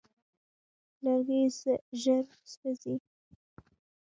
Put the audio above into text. لرګی ژر وسوځي.